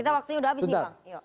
kita waktunya sudah habis nih pak